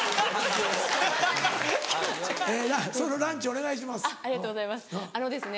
そのランチお願いします。